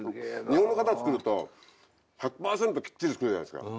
日本の方が作ると１００％きっちり作るじゃないですか。